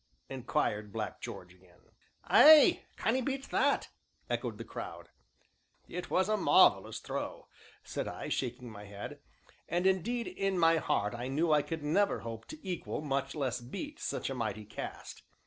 inquired Black George again. "Ay, can 'ee beat that?" echoed the crowd. "It was a marvellous throw!" said I, shaking my head. And indeed, in my heart I knew I could never hope to equal, much less beat, such a mighty cast.